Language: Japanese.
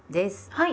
はい。